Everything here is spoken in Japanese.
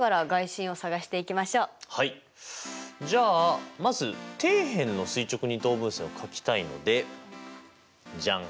じゃあまず底辺の垂直二等分線を書きたいのでジャン。